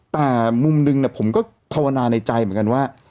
แต่มุมหนึ่งผมก็ภาวนาในใจเหมือนกันว่า